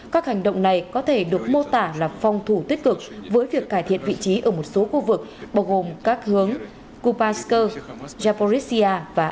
các hành động này có thể được mô tả là phong thủ tích cực với việc cải thiện vị trí ở một số khu vực bao gồm các hướng kupansk japoresia và adb